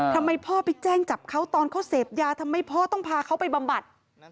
ทำไมพ่อไปแจ้งจับเขาตอนเขาเสพยาทำไมพ่อต้องพาเขาไปบำบัด